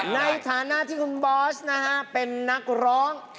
ในฐานะที่คุณบอสนะฮะเป็นนักร้อง